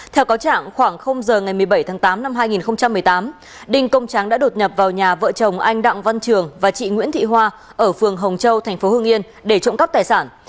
theo cáo trạng khoảng giờ ngày một mươi bảy tháng tám năm hai nghìn một mươi tám đinh công tráng đã đột nhập vào nhà vợ chồng anh đặng văn trường và chị nguyễn thị hoa ở phường hồng châu thành phố hương yên để trộm cắp tài sản